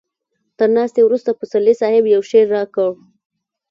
تر ناستې وروسته پسرلي صاحب يو شعر راکړ.